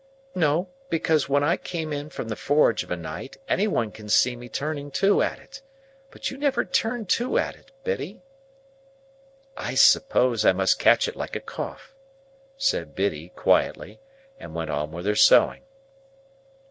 "No; because when I come in from the forge of a night, any one can see me turning to at it. But you never turn to at it, Biddy." "I suppose I must catch it like a cough," said Biddy, quietly; and went on with her sewing.